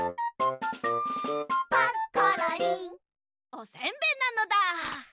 おせんべいなのだ！